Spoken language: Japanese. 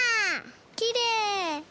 きれい！